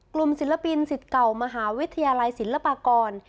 ศิลปินสิทธิ์เก่ามหาวิทยาลัยศิลปากร